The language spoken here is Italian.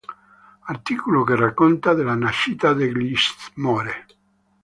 Articolo che racconta della nascita degli "s'more"